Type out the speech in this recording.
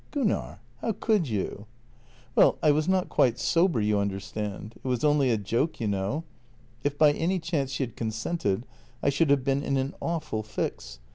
" Gunnar, how could you! "" Well, I was not quite sober, you understand; it was only a joke, you know. If by any chance she had consented, I should have been in an awful fix.